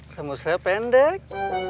rambut saya pendek